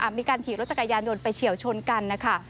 มีการขี่รถจักรยานยนต์ไปเฉียวชนกันนะคะ